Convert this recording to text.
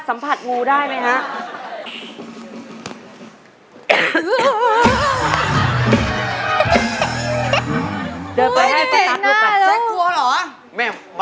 สัมผัสงูได้ไหมฮะ